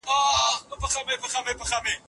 بدلونونه د پرمختګ لپاره اړين بلل سوي وو.